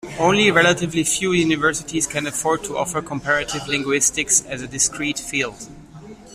Only relatively few universities can afford to offer Comparative linguistics as a discrete field.